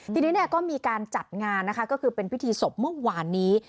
ทีนี้ก็มีการจัดงานก็คือเป็นพิธีศพเมื่อวานนี้